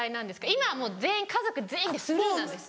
今はもう家族全員でスルーなんです。